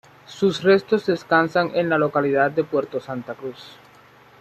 Sus restos descansan en la localidad de Puerto Santa Cruz.